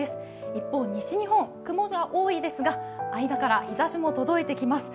一方、西日本、雲が多いですが合間から日ざしも届いてきます。